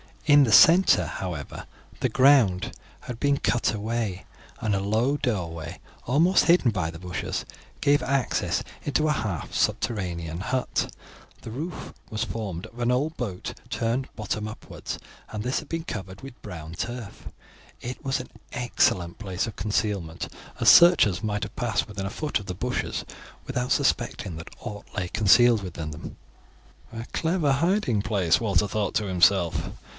In the centre, however, the ground had been cut away, and a low doorway, almost hidden by the bushes, gave access into a half subterranean hut; the roof was formed of an old boat turned bottom upwards, and this had been covered with brown turf. It was an excellent place of concealment, as searchers might have passed within a foot of the bushes without suspecting that aught lay concealed within them. "A clever hiding place," Walter thought to himself.